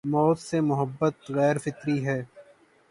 موت سے محبت غیر فطری ہے۔